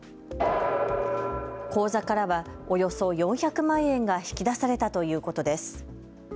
口座からはおよそ４００万円が引き出されたということです。